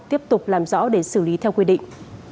tiếp tục làm rõ để xử lý theo quy định